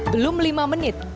belum lima menit